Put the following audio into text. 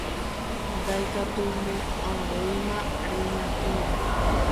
Ndaikatumo'ãvéima remyatyrõ.